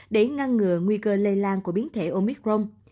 để ngăn ngừa nguy cơ lây lan của biến thể omicron